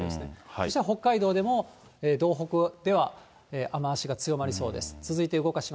そして北海道でも道北では雨足が強まりそうです。